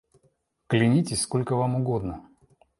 Клянитесь, сколько вам угодно!